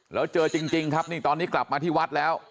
แล้วเจอจริงครับนี่ตอนนี้กลับมาที่วัดแล้ว